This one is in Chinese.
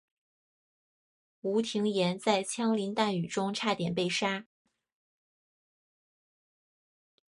吴廷琰在枪林弹雨中差点被杀。